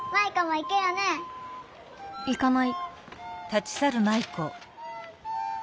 行かない。